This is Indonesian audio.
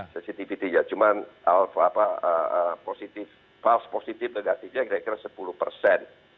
positifitynya cuma fals positif negatifnya kira kira sepuluh persen